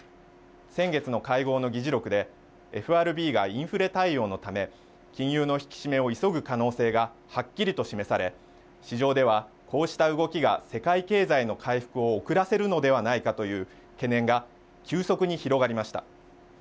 先月の会合の議事録でＦＲＢがインフレ対応のため金融の引き締めを急ぐ可能性がはっきりと示され、市場では、こうした動きが世界経済の回復を遅らせるのではないかという懸念が急速に広がりました。